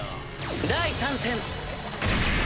第３戦。